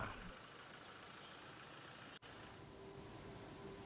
dan marsi nuko semarang jawa tengah